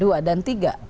dua dan tiga